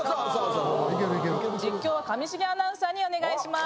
実況は上重アナウンサーにお願いします。